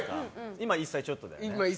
今、１歳ちょっとだよね。